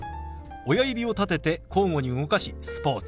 親指を立てて交互に動かし「スポーツ」。